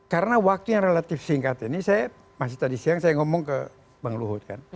karena waktunya relatif singkat ini saya masih tadi siang saya ngomong ke bang luhut kan